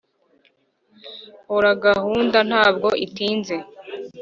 hora gahunda ntabwo itinze